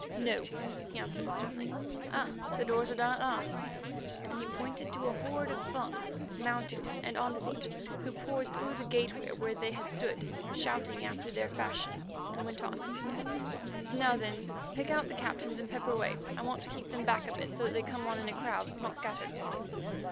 "No," he answered sternly. "Ah! the doors are down at last," and he pointed to a horde of Fung, mounted and on foot, who poured through the gateway where they had stood, shouting after their fashion, and went on: "Now then, pick out the captains and pepper away. I want to keep them back a bit, so that they come on in a crowd, not scattered."